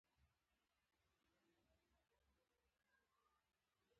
یوولسمه پوښتنه دا ده چې سازماندهي څه شی ده.